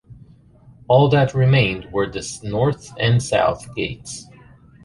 All that remained were the north and south gates.